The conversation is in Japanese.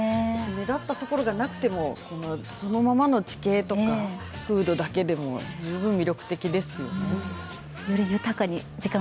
目立ったところがなくてもそのままの地形とか風土だけでも十分魅力的ですよね。